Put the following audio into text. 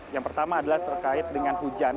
yang pertama adalah terkait dengan hujan